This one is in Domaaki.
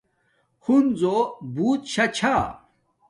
ہنزو بوت شا چھا